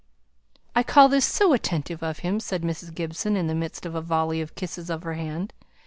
"I call this so attentive of him," said Mrs. Gibson, in the midst of a volley of kisses of her hand.